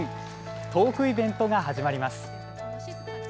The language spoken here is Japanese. トークイベントが始まります。